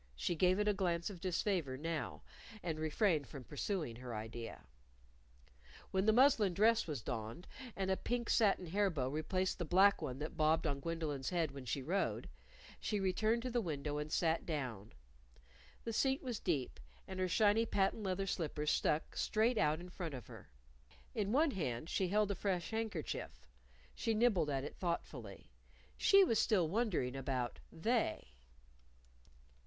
She gave it a glance of disfavor now, and refrained from pursuing her idea. When the muslin dress was donned, and a pink satin hair bow replaced the black one that bobbed on Gwendolyn's head when she rode, she returned to the window and sat down. The seat was deep, and her shiny patent leather slippers stuck straight out in front of her. In one hand she held a fresh handkerchief. She nibbled at it thoughtfully. She was still wondering about "They."